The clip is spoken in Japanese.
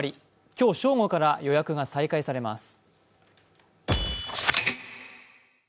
今日正午から予約が再開されます。